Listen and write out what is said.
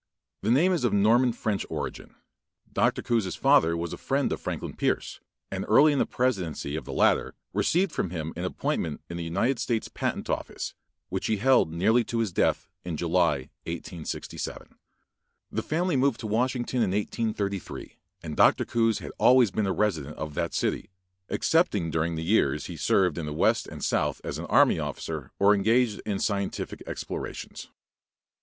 The name is of Norman French origin. Dr. Coues' father was a friend of Franklin Pierce, and early in the presidency of the latter received from him an appointment in the United States patent office, which he held nearly to his death in July, 1867. The family moved to Washington in 1833 and Dr. Coues had always been a resident of that city, excepting during the years he served in the West and South as an army officer or engaged in scientific explorations.